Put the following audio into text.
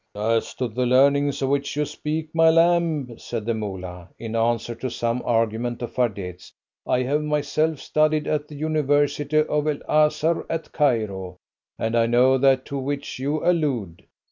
"As to the learning of which you speak, my lamb," said the Moolah, in answer to some argument of Fardet's, "I have myself studied at the University of El Azhar at Cairo, and I know that to which you allude.